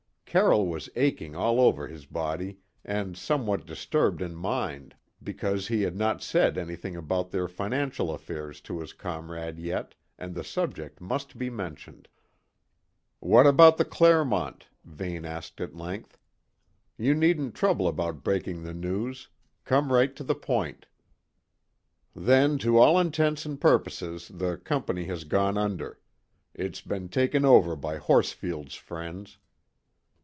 Carroll was aching all over his body and somewhat disturbed in mind, because he had not said anything about their financial affairs to his comrade yet, and the subject must be mentioned. "What about the Clermont?" Vane asked at length. "You needn't trouble about breaking the news; come right to the point." "Then to all intents and purposes the company has gone under; it's been taken over by Horsfield's friends.